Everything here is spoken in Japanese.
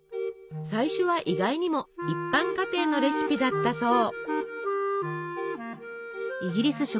最初は意外にも一般家庭のレシピだったそう。